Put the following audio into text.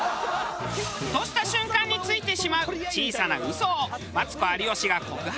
ふとした瞬間についてしまう小さな嘘をマツコ有吉が告白！